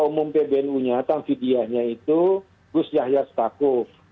ketua umum pbnu nya tangvidianya itu gus yahya setakuf